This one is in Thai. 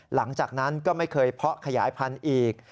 หลังจากนั้นก็ไม่เคยเพาะขยายพันธุ์อีก